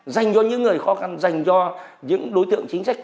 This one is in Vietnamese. dành cho những người khó khăn dành cho những đối tượng chính sách